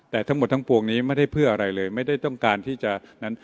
แต่ทั้งหมดทั้งปวงนี้ไม่ได้เพื่ออะไรเลยไม่ได้ต้องการที่จะนั้น